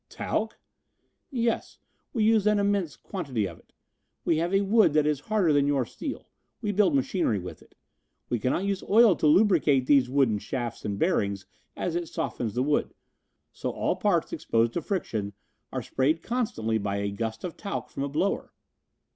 "Talc?" "Yes, we use an immense quantity of it. We have a wood that is harder than your steel. We build machinery with it. We cannot use oil to lubricate these wooden shafts and bearings as it softens the wood, so all parts exposed to friction are sprayed constantly by a gust of talc from a blower.